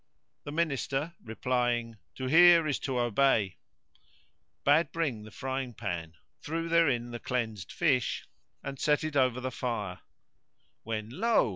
The Minister, replying "To hear is to obey," bade bring the frying pan, threw therein the cleansed fish and set it over the fire; when lo!